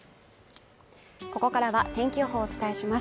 ここからは天気予報をお伝えします